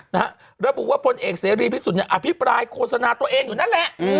และบุว่าพลเอกเสรียรีย์ผิดสุดอภิพลายโฆษณาตัวเองอยู่นั่นแหละ